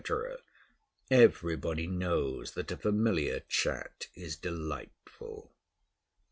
Everybody knows that a familiar chat is delightful.